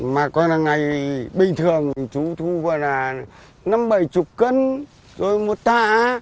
mà con này bình thường chú thu gọi là năm bảy mươi cân rồi một thả